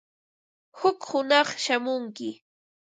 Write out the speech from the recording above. Huk hunaq shamunki.